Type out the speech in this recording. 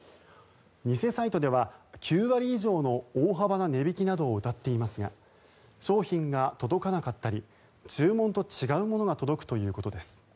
偽サイトでは９割以上の大幅な値引きなどをうたっていますが商品が届かなかったり注文と違うものが届くということです。